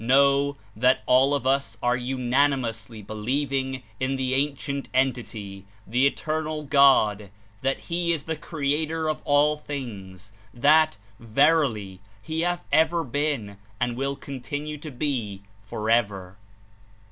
Know that all of us are unanimously believing in the Ancient Entity, the Eter nal God; that He is the Creator of all things; that, verily. He hath ever been and will continue to be for ever.